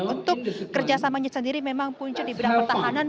untuk kerjasamanya sendiri memang puncu di bidang pertahanan